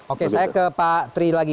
oke saya ke pak tri lagi